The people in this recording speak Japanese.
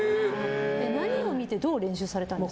何を見てどう練習されたんですか。